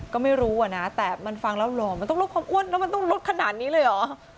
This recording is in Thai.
ก็ไม่รู้อะนะแต่มันฟังแล้วหล่อมันต้องลดความอ้วนแล้วมันต้องลดขนาดนี้เลยเหรอ